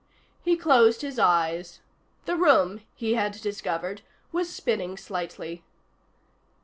He closed his eyes. The room, he had discovered, was spinning slightly.